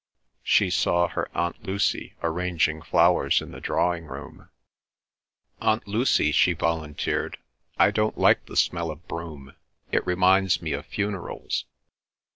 She saw her Aunt Lucy arranging flowers in the drawing room. "Aunt Lucy," she volunteered, "I don't like the smell of broom; it reminds me of funerals."